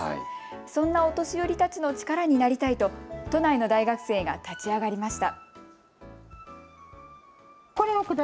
そんなお年寄りたちの力になりたいと都内の大学生が立ち上がりました。